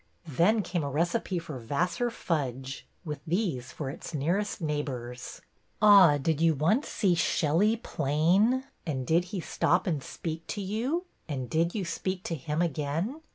'' Then came a recipe for Vassar fudge, with these for its nearest neighbors: Ah, did you once see Shelley plain ? And did he stop and speak to you? And did you speak to him again